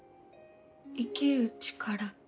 生きる力。